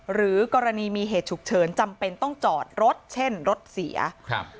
หรือกรณีมีเหตุฉุกเฉินจำเป็นต้องจอดรถเช่นรถเสียครับ